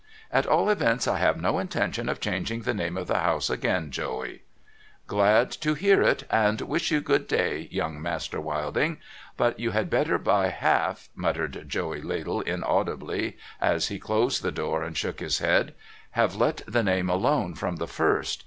' At all events, I have no intention of changing the name of the House again, Joey.' ' Glad to hear it, and wish you good day, Young Master Wilding. 'But you had better by half,' muttered Joey Ladle inaudibly, as he closed the door and shook his head, ' have let the name alone from the first.